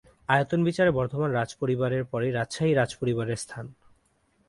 আয়তন বিচারে বর্ধমান রাজ পরিবারের পরেই রাজশাহী রাজ পরিবারের স্থান।